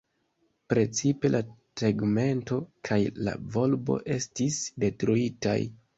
Precipe la tegmento kaj la volbo estis detruitaj.